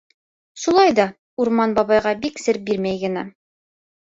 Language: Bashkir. Шулай ҙа Урман бабайға бик сер бирмәй генә: